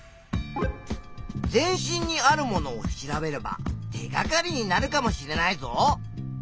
全身にあるものを調べれば手がかりになるかもしれないぞ！